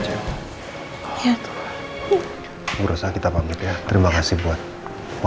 dengar saksanya memang apa apa